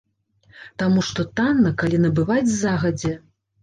Таму што танна, калі набываць загадзя!